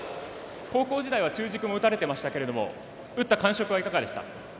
高校時代は中軸も打たれてましたけど打った感触はいかがでした？